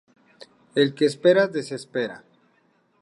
El que espera, desespera